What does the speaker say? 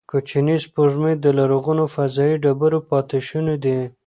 کوچنۍ سپوږمۍ د لرغونو فضايي ډبرو پاتې شوني دي.